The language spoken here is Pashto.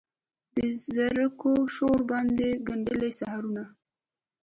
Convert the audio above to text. د زرکو شور باندې ګندلې سحرونه